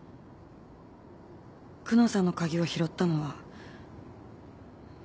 久能さんの鍵を拾ったのは。